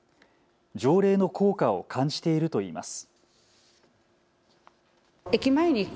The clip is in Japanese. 条例の効果を感じているといいます。